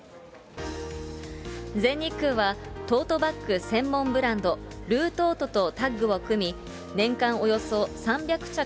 全日空はトートバッグ専門ブランド、ルートートとタッグを組み、年間およそ３００着